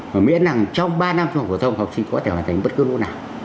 và miễn là trong ba năm trung học phổ thông học sinh có thể hoàn thành bất cứ môn nào